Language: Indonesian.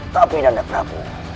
tapi nanda prabu